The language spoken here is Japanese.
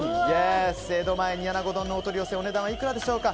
江戸前煮穴子丼のお取り寄せお値段はいくらでしょうか。